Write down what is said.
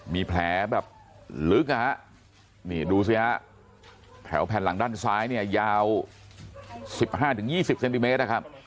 มีแผลแบบลึกดูสิครับแถวแผ่นหลังด้านซ้ายยาว๑๕๒๐เซนติเมตร